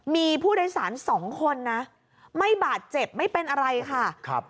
มีผู้โดยสารสองคนนะไม่บาดเจ็บไม่เป็นอะไรค่ะครับ